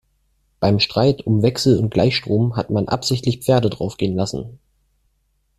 Beim Streit um Wechsel- und Gleichstrom hat man absichtlich Pferde draufgehen lassen.